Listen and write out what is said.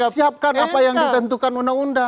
siapkan apa yang ditentukan undang undang